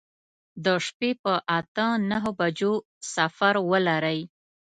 د شپې په اته نهو بجو سفر ولرئ.